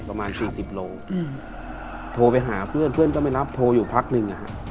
ประมาณสี่สิบโลโทรไปหาเพื่อนเพื่อนก็ไม่รับโทรอยู่พักหนึ่ง